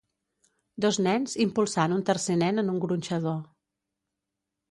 Dos nens impulsant un tercer nen en un gronxador.